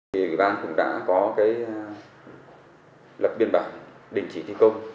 thì ubnd cũng đã có cái lập biên bản đình chỉ thi công